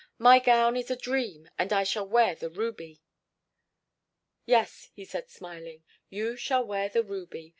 My gown is a dream and I shall wear the ruby." "Yes," he said smiling. "You shall wear the ruby.